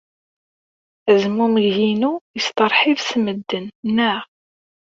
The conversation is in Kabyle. Azmumeg-inu yesteṛḥib s medden, naɣ?